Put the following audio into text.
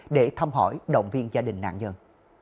để thăm hỏi động viên gia đình nạn nhân